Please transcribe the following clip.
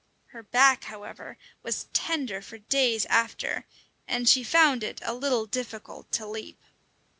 Her back, however, was tender for days after, and she found it a little difficult to leap.